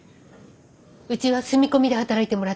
うちは住み込みで働いてもらってますが。